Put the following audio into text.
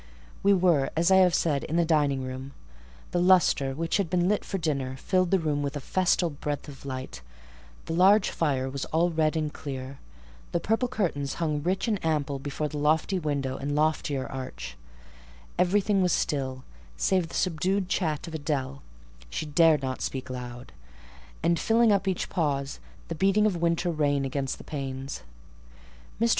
We were, as I have said, in the dining room: the lustre, which had been lit for dinner, filled the room with a festal breadth of light; the large fire was all red and clear; the purple curtains hung rich and ample before the lofty window and loftier arch; everything was still, save the subdued chat of Adèle (she dared not speak loud), and, filling up each pause, the beating of winter rain against the panes. Mr.